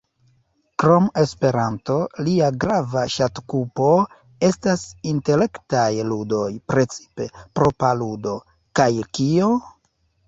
Krom Esperanto, lia grava ŝatokupo estas intelektaj ludoj, precipe "Propra ludo" kaj "Kio?